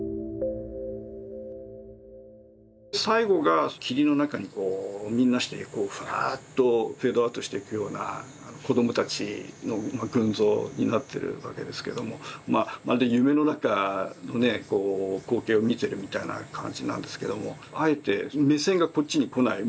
最後が霧の中にみんなしてふわっとフェードアウトしていくような子どもたちの群像になってるわけですけどもまるで夢の中のね光景を見てるみたいな感じなんですけどもあえて目線がこっちにこない。